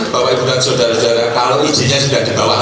bapak ibu dan saudara saudara kalau izinnya sudah di bawah